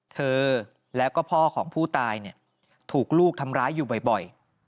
เธอแล้วก็พ่อของผู้ตายถูกลูกทำร้ายอยู่บ่อย